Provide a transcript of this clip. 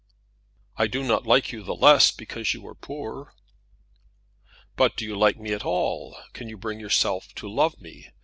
"I do not like you the less because you are poor." "But do you like me at all? Can you bring yourself to love me?